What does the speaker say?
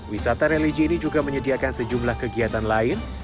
wisata religi ini juga menyediakan sejumlah kegiatan lain